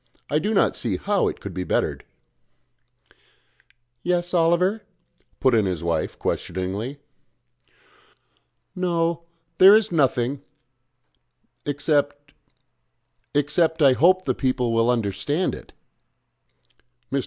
I do not see how it could be bettered...." "Yes, Oliver?" put in his wife, questioningly. "No there is nothing except ... except I hope the people will understand it." Mr.